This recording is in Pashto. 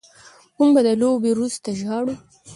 موږ به د لوبې وروسته ژاړو